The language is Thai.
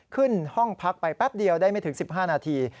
ขึ้นห้องพักไปแป๊บเดียวได้ไม่ถึง๑๕นาที